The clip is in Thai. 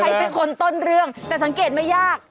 เป็นคนต้นเรื่องแต่สังเกตไม่ยาก